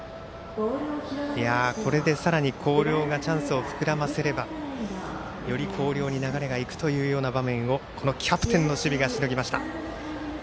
これでさらに広陵がチャンスを膨らませればより広陵に流れがいくという場面をキャプテンの守備がしのぎました。